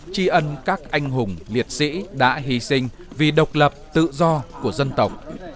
tri ân các anh hùng liệt sĩ đã hy sinh vì độc lập tự do của dân tộc